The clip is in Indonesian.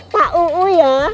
pak uu ya